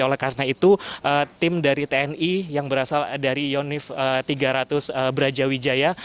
oleh karena itu tim dari tni yang berasal dari yonif tiga ratus brajawijaya